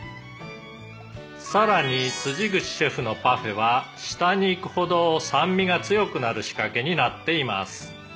「さらに口シェフのパフェは下にいくほど酸味が強くなる仕掛けになっています」